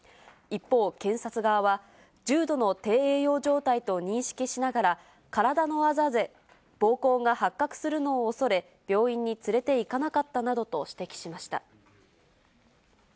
一方、検察側は、重度の低栄養状態と認識しながら、体のあざで暴行が発覚するのをおそれ、病院に連れて行かなかったなどと指摘しました。